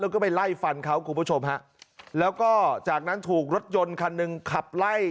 แล้วก็ไปไล่ฟันเขาคุณผู้ชมฮะแล้วก็จากนั้นถูกรถยนต์คันหนึ่งขับไล่